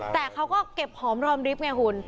แต่เขาก็เก็บหอมรอมริฟต์ไงคุณ